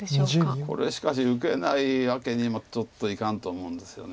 これしかし受けないわけにもちょっといかんと思うんですよね。